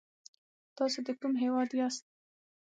تاسو د کوم هېواد یاست ؟